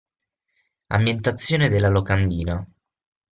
Ambientazione della locandina.